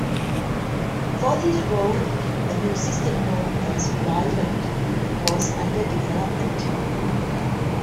For this role a new system known as "Rheinland" was under development.